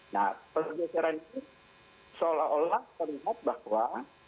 nah pergeseran ini seolah olah terlihat bahwa